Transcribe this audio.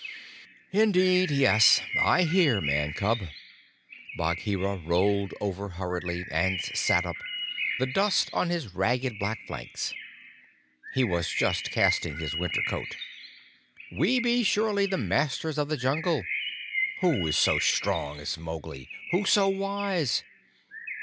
"Indeed, yes: I hear, Man cub." Bagheera rolled over hurriedly and sat up, the dust on his ragged, black flanks. (He was just casting his winter coat.) "We be surely the Masters of the Jungle! Who is so strong as Mowgli? Who so wise?"